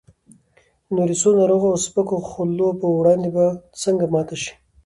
نو د څو ناروغو او سپکو خولو پر وړاندې به څنګه ماته شي؟